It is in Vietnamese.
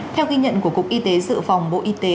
theo ghi nhận của cục y tế dự phòng bộ y tế